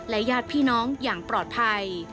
ญาติพี่น้องอย่างปลอดภัย